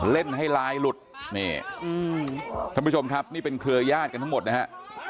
เล่นให้ลายหลุดนี่ท่านผู้ชมครับนี่เป็นเครือยาศกันทั้งหมดนะฮะ